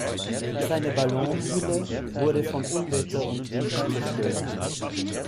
Seine Ballonhülle wurde von Unwetter und Wind zerstört.